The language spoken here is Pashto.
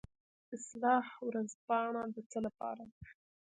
اصلاح ورځپاڼه د څه لپاره ده؟